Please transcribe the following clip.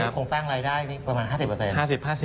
คงสร้างรายได้ประมาณ๕๐